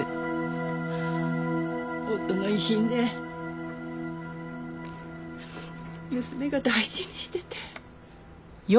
夫の遺品で娘が大事にしてて。